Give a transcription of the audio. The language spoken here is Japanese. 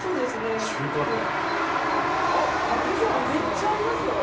めっちゃありますよ！